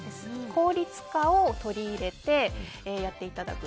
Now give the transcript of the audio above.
効率化を取り入れてやっていただく。